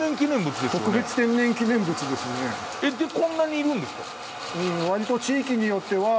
でこんなにいるんですか？